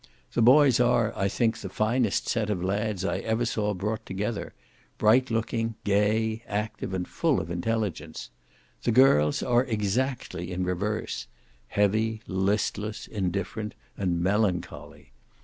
The boys are, I think, the finest set of lads I ever saw brought together; bright looking, gay, active, and full of intelligence. The girls are exactly in reverse; heavy, listless, indifferent, and melancholy.